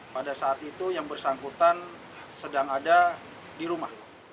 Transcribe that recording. pada saat itu yang bersangkutan sedang ada di rumah